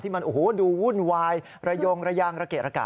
ที่มันดูวุ่นวายระยงระเกะระกะ